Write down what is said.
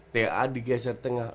taa digeser tengah